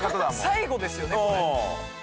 最後ですよねこれ。